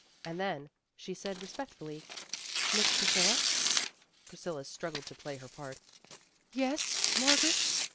And then she said re spectfully, "Miss Priscilla." Priscilla struggled to play her part. ;' Yes Margaret?"